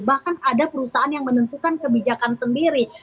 bahkan ada perusahaan yang menentukan kebijakan sendiri